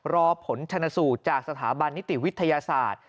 รอผลชนสูตรจากสถาบันนิติวิทยาศาสตร์